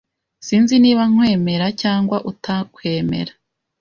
Sinzi niba nkwemera cyangwa utakwemera.